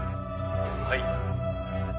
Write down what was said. はい。